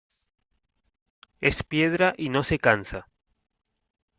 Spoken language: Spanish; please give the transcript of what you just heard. Es de piedra y no se cansa.